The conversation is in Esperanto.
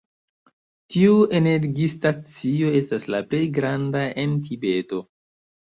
Tiu energistacio estas la plej granda en Tibeto.